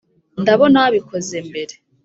ndabona wabikoze mbere.